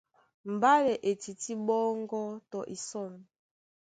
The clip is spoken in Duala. Mbálɛ e tití ɓɔ́ŋgɔ́ tɔ isɔ̂n.